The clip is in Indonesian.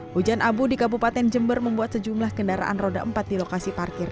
hujan abu di kabupaten jember membuat sejumlah kendaraan roda empat di lokasi parkir